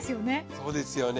そうですよね。